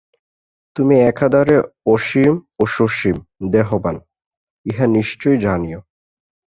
তুমি একাধারে অসীম ও সসীম দেহবান্, ইহা নিশ্চয় জানিও।